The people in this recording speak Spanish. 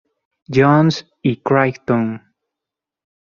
John's y Creighton.